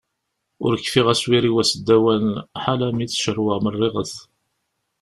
Ur kfiɣ aswir-iw aseddawan ḥala mi tt-cerweɣ merriɣet.